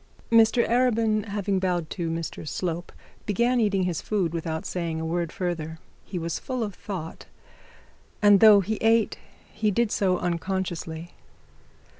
Mr Arabin bowed to Mr Slope, began eating his food, without saying a word further. He was full of thoughts, and though he ate he did so unconsciously.